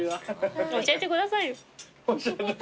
教えてくださいよ。